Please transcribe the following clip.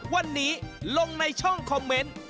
วันนี้ลงในช่องคอมเมนต์